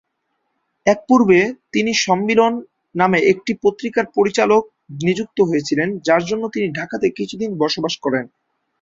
এর পূর্বে তিনি 'সম্মিলন' নামে একটি পত্রিকার পরিচালক নিযুক্ত হয়েছিলেন, যার জন্য তিনি ঢাকাতে কিছুদিন বসবাস করেন।